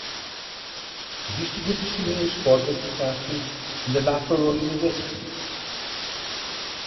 Sie studierte Chemie und Sportwissenschaften an der Loughborough University.